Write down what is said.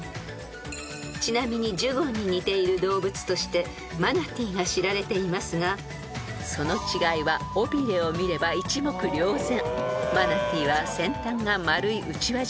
［ちなみにジュゴンに似ている動物としてマナティーが知られていますがその違いは尾ビレを見れば一目瞭然］